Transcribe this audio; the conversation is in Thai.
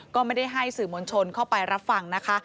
ก็ไม่ได้ให้สื่อมวลชนเข้าไปรับฟังนะคะ